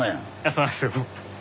そうなんですよ。